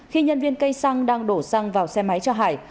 khi nhân viên cây xăng đang đổ xăng vào xe máy cho hải